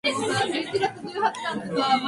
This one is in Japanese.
タイピングは難しい。